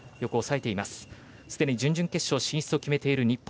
すでに準々決勝進出を決めている日本。